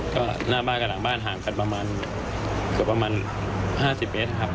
ก็หน้าบ้านกับหลังบ้านห่างกันประมาณ๕๐เพชรครับ